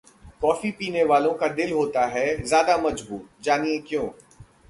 coffee पीने वालों का दिल होता है ज्यादा मजबूत, जानिए क्यों...